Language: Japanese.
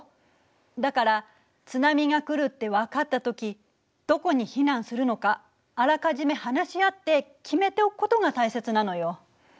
だから津波が来るって分かった時どこに避難するのかあらかじめ話し合って決めておくことが大切なのよ。